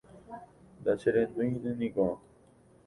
ndacherendúinteniko